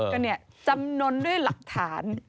ก็เนี่ยจำนวนด้วยหลักฐาน